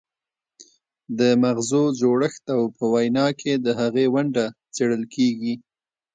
د مغزو جوړښت او په وینا کې د هغې ونډه څیړل کیږي